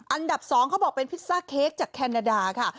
อันดับ๒เขาบอกเป็นพิซซ่าเค้กจากแคนาดาค่ะ